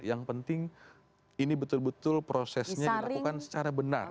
yang penting ini betul betul prosesnya dilakukan secara benar